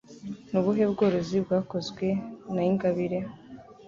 Ni ubuhe bworozi bwakozwe na Ingabire?